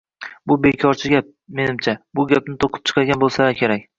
– Bu – bekorchi gap, menimcha. Bu gapni to‘qib chiqargan bo‘lsalar kerak.